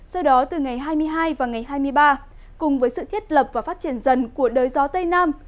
sau đó từ ngày hai mươi hai và ngày hai mươi ba cùng với sự thiết lập và phát triển dần của đới gió tây nam